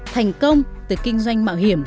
thành công từ kinh doanh mạo hiểm